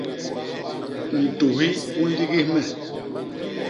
Ntuhi u nligis me.